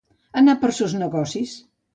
Anar per sos negocis.